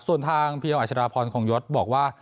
ส่วนทางเพียวอัชราพรคงยศบอกว่า